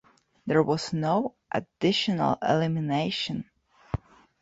There was no additional elimination.